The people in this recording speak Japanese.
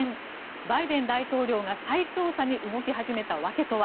バイデン大統領が再調査に動き始めた訳とは。